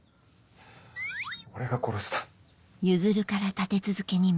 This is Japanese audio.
俺が殺した。